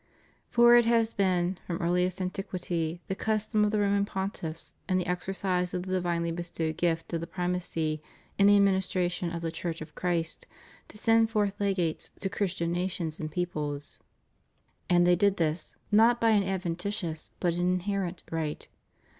For it has been, from earliest antiquity, the custom of the Roman Pontiffs in the exercise of the divinely bestowed gift of the primacy in the administration of the Church of Christ to send forth legates to Christian nations and peoples. 328 CATHOLICITY IN THE UNITED STATES. And they did this, not by an adventitious but an inherent right.